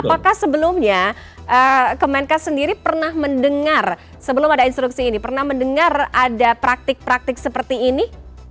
apakah sebelumnya kemenkes sendiri pernah mendengar sebelum ada instruksi ini pernah mendengar ada praktik praktik seperti ini